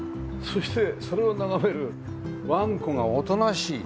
そしてそれを眺めるわんこがおとなしい。